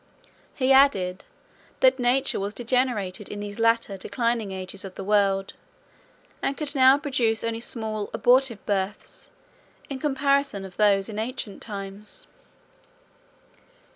He added, "that nature was degenerated in these latter declining ages of the world, and could now produce only small abortive births, in comparison of those in ancient times."